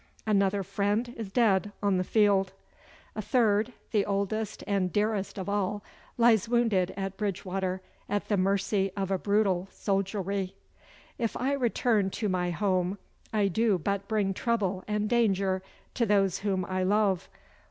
Another friend is dead on the field. A third, the oldest and dearest of all, lies wounded at Bridgewater, at the mercy of a brutal soldiery. If I return to my home I do but bring trouble and danger to those whom I love.